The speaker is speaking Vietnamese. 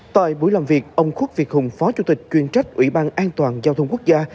tại buổi làm việc ông khuất việt hùng phó chủ tịch chuyên trách ủy ban an toàn giao thông quốc gia